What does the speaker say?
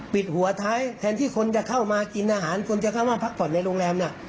ปิดหัวท้ายแทนที่คนจะเข้ามากินอาหารคนจะเข้ามาพักผ่อนในโรงแรมน่ะ